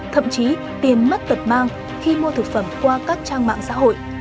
thậm chí tiền mất tật mang khi mua thực phẩm qua các trang mạng xã hội